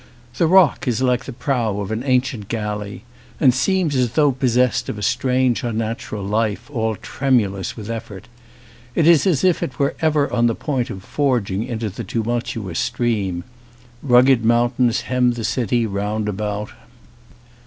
The rock is like the prow of an ancient galley and seems, as though possessed of a strange unnatural life, all tremulous with effort; it is as if it were ever on the point of forging into the tumultuous stream. Rugged mountains hem the city round about.